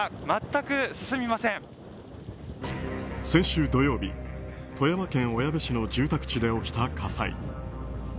先週土曜日、富山県小矢部市の住宅地で起きた火災。